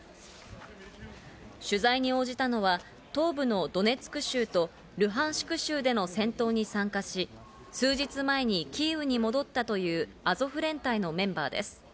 取材に応じたのは東部のドネツク州とルハンシク州での戦闘に参加し、数日前にキーウに戻ったというアゾフ連隊のメンバーです。